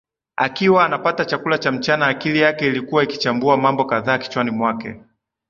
Akiwa anapata chakula cha mchana akili yake ilikuwa ikichambua mambo kadhaa kichwani mwake